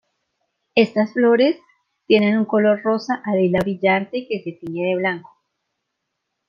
Estas flores tienen un color rosa a lila brillante que se tiñe de blanco.